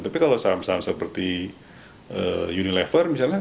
tapi kalau saham saham seperti unilever misalnya